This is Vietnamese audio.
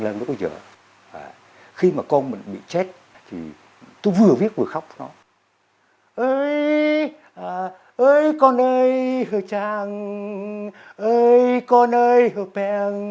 lân bây giờ khi mà con mình bị chết thì tôi vừa viết vừa khóc nó ơi con ơi chàng ơ con ơi bè